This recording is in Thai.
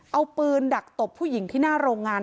เอาปืนดักตบผู้หญิงที่หน้าโรงงาน